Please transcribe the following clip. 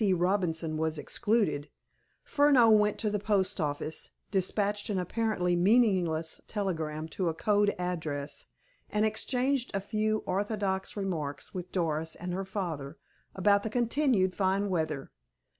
Robinson was excluded, Furneaux went to the post office, dispatched an apparently meaningless telegram to a code address, and exchanged a few orthodox remarks with Doris and her father about the continued fine weather.